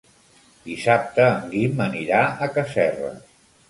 Dissabte en Guim anirà a Casserres.